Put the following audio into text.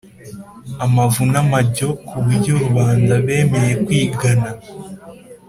amavu n’amajyo, ku buryo rubanda bemeye kwigana